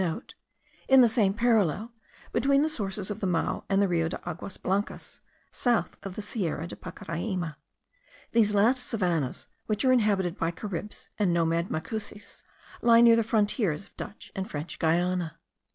in the same parallel, between the sources of the Mao and the Rio de Aguas Blancas, south of the Sierra de Pacaraima. These last savannahs, which are inhabited by Caribs, and nomad Macusis, lie near the frontiers of Dutch and French Guiana.